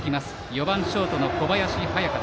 ４番ショートの小林隼翔。